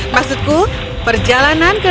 maksudku perjalanan keren